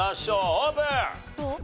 オープン！